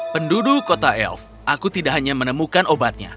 penduduk kota elf aku tidak hanya menemukan obatnya